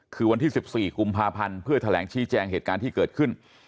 คือวันที่๑๔กุมภาพันธ์เพื่อแถลงชี้แจงเหตุการณ์ที่เกิดขึ้น